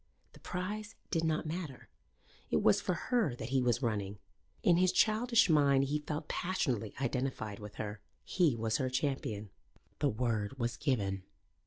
The prize did not matter. It was for her that he was running. In his childish mind he felt passionately identified with her. He was her champion. The word was given.